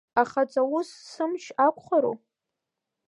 Ахаҵаус сымч ақәхару?